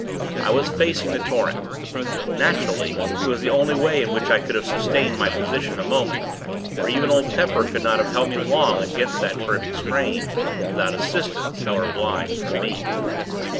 I was facing the torrent. Naturally, it was the only way in which I could have sustained my position a moment; for even old Pepper could not have held me long against that terrific strain, without assistance, however blind, from me.